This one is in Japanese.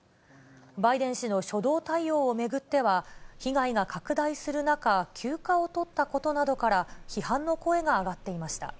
バイデン氏の初動対応を巡っては、被害が拡大する中、休暇を取ったことなどから、批判の声が上がっていました。